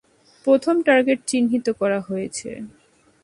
প্রথম টার্গেট, চিহ্নিত করা হয়েছে।